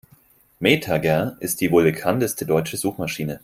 MetaGer ist die wohl bekannteste deutsche Meta-Suchmaschine.